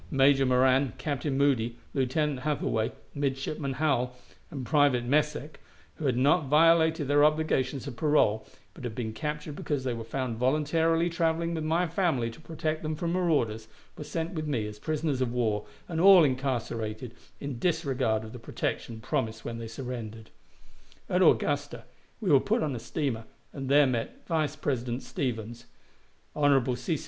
Major Moran, Captain Moody, Lieutenant Hathaway, Midshipman Howell, and Private Messec, who had not violated their obligations of parole, but had been captured because they were found voluntarily traveling with my family to protect them from marauders, were sent with me as prisoners of war, and all incarcerated, in disregard of the protection promised when they surrendered. At Augusta we were put on a steamer, and there met Vice President Stephens; Hon. C. C.